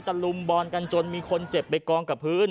ลุมบอลกันจนมีคนเจ็บไปกองกับพื้น